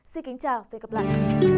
xin kính chào và hẹn gặp lại